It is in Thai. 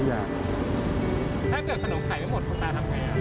ถ้าเกิดขนมขายไม่หมดคุณตาทำไง